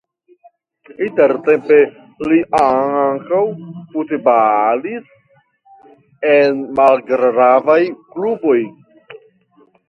Intertempe li ankaŭ futbalis en malgravaj kluboj.